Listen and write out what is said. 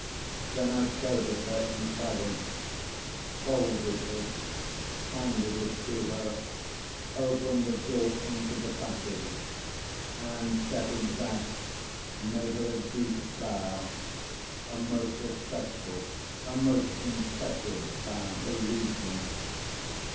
Then I showed it her in silence, folded it, handed it to her, opened the door into the passage, and, stepping back, made her a deep bow, a most respectful, a most impressive bow, believe me!